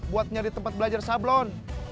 buat nyari tempat belajar sablon